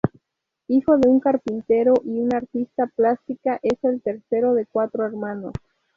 Hijo de un carpintero y una artista plástica, es el tercero de cuatro hermanos.